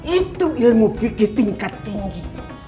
itu ilmu di tingkat tinggi